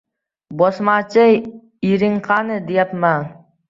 — Bosmachi ering qani, deyapman?